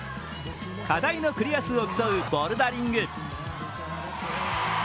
課題のクリア数を競うボルダリング。